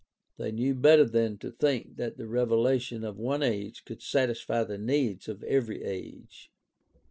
They knew better than to think that the revelation of one age could satisfy the needs of every age.